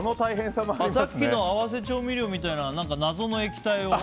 さっきの合わせ調味料みたいな謎の液体は。